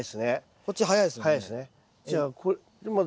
こっち早いですよね？